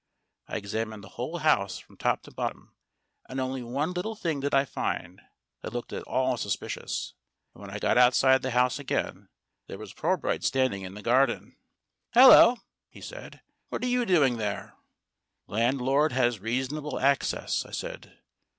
I examined the whole house from top to bottom, and only one little thing did I find that looked at all suspicious. And when I got outside the house again, there was Pirbright standing in the garden. "Hallo !" he said. "What are you doing there?" "Landlord has reasonable access," I said.